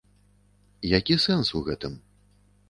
Які сэнс у гэтым?